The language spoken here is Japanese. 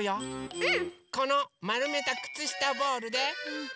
うん！